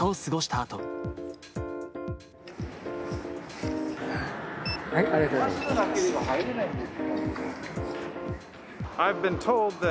ありがとうございます。